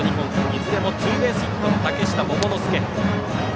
いずれもツーベースヒットの嶽下桃之介。